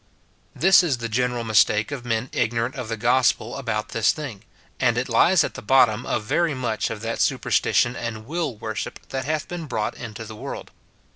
This is the general mistake of men ignorant of the gospel about this thing ; and it lies at the bottom of very much of that superstition and will worship that hath been brought into the world.